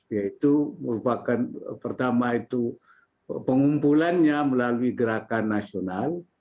yaitu merupakan pertama itu pengumpulannya melalui gerakan nasional